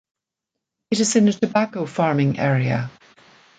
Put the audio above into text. It is in a tobacco farming area.